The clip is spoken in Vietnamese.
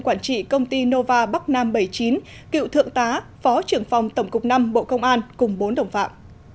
quản trị công ty nova bắc nam bảy mươi chín cựu thượng tá phó trưởng phòng tổng cục năm bộ công an cùng bốn đồng phạm